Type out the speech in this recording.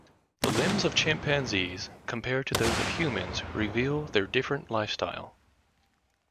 The limbs of chimpanzees, compared to those of humans, reveal their different lifestyle.